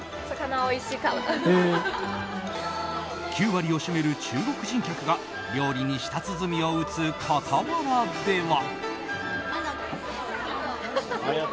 ９割を占める中国人客が料理に舌鼓を打つ傍らでは。